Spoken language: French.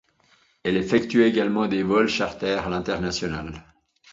Elle effectuait également des vols charters à l'international.